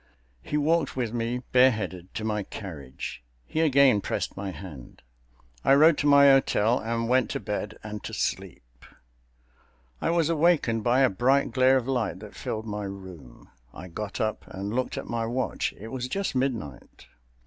He walked with me, bareheaded, to my carriage. He again pressed my hand. I rode to my hotel and went to bed, and to sleep. I was awakened by a bright glare of light that filled my room. I got up and looked at my watch. It was just midnight.